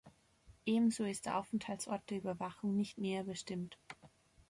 Ebenso ist der Aufenthaltsort der Überwachung nicht näher bestimmt.